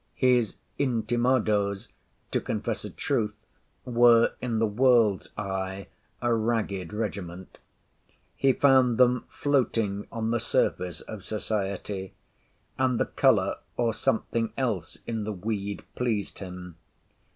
His intimados, to confess a truth, were in the world's eye a ragged regiment. He found them floating on the surface of society; and the colour, or something else, in the weed pleased him.